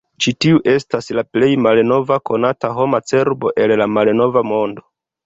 Ĉi tiu estas la plej malnova konata homa cerbo el la Malnova Mondo.